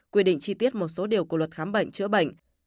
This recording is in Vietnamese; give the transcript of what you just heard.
quy định chi tiết một số điều của luật khám bệnh chữa bệnh